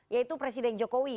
yaitu presiden jokowi